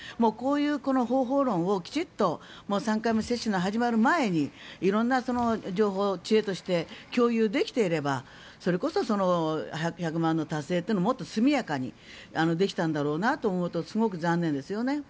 こういう方法論をきちんと３回目接種が始まる前に色んな情報、知恵として供給できていればそれこそ１００万の達成というのがもっと速やかにできたんだろうなと思うとすごく残念ですよね。